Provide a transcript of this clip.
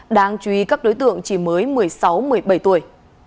đáng chú ý các đối tượng chỉ mới một mươi sáu một mươi bảy tuổi